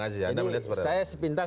jadi saya sepintas